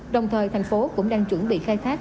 đồng thời thành phố cũng đang chuẩn bị khai thác